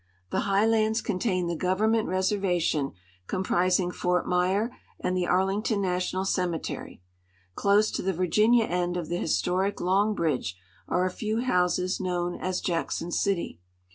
The high lands contain the Government reservation, comprising Fort Myer and the Arlington national cemetery. Close to the Virginia end of the historic Long bridge are a few houses known as Jackson City.